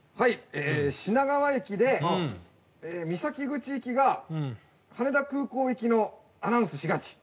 品川駅で三崎口行きが羽田空港行きのアナウンスしがち。